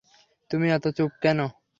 তুমি এত চুপ কেন?